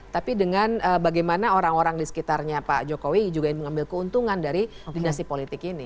tapi dengan bagaimana orang orang di sekitarnya pak jokowi juga mengambil keuntungan dari dinasti politik ini